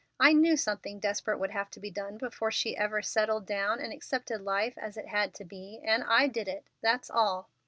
I knew something desperate would have to be done before she ever settled down and accepted life as it had to be, and I did it, that's all.